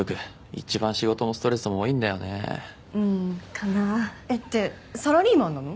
一番仕事もストレスも多いんだよねうんかな？ってサラリーマンなの？